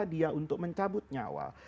dia untuk mencabut nyawa